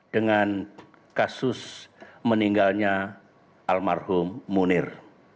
dengan kasus meninggalnya almarhum munir